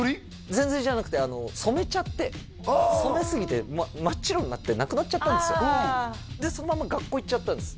全ぞりじゃなくて染めちゃってああ染めすぎて真っ白になってなくなっちゃったんですよああでそのまま学校行っちゃったんです